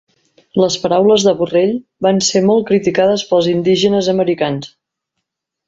Les paraules de Borrell van ser molt criticades pels indígenes americans